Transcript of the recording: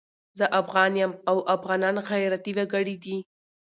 زه افغان یم او افغانان غيرتي وګړي دي